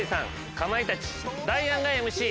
かまいたちダイアンがＭＣ。